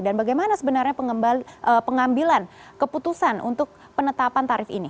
dan bagaimana sebenarnya pengambilan keputusan untuk penetapan tarif ini